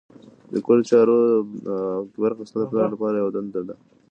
د کور د چارو برخه اخیستل د کورنۍ د پلار یوه دنده ده.